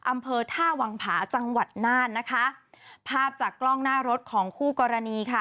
อำเภอท่าวังผาจังหวัดน่านนะคะภาพจากกล้องหน้ารถของคู่กรณีค่ะ